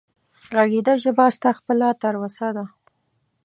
غږېږه ژبه ستا خپله تر اوسه ده